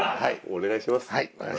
お願いします。